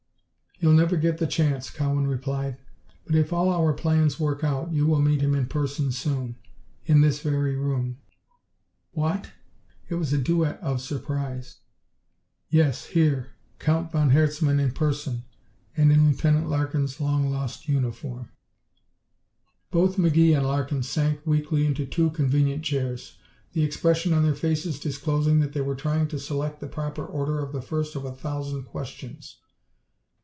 "You'll never get the chance!" Cowan replied. "But if all our plans work out, you will meet him in person soon in this very room!" "What!" It was a duet of surprise. "Yes, here. Count von Herzmann in person and in Lieutenant Larkin's long lost uniform." Both McGee and Larkin sank weakly into two convenient chairs, the expression on their faces disclosing that they were trying to select the proper order of the first of a thousand questions.